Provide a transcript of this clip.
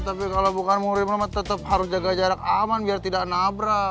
tapi kalau bukan murima tetap harus jaga jarak aman biar tidak nabrak